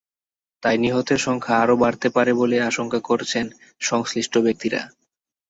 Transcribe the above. তাই নিহতের সংখ্যা আরও বাড়তে পারে বলে আশঙ্কা করছেন সংশ্লিষ্ট ব্যক্তিরা।